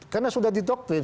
karena sudah didokterin